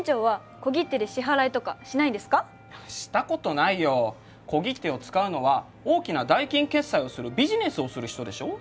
小切手を使うのは大きな代金決済をするビジネスをする人でしょ。